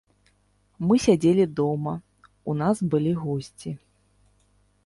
Мы сядзелі дома, у нас былі госці.